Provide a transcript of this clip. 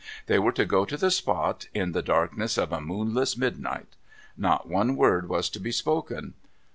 They were to go to the spot, in the darkness of a moonless midnight. Not one word was to be spoken.